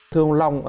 thưa ông long